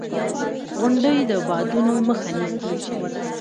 • غونډۍ د بادونو مخه نیسي.